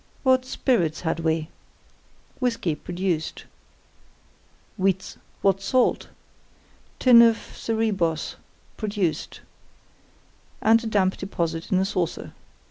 What spirits had we? Whisky, produced. What salt? Tin of Cerebos, produced, and a damp deposit in a saucer.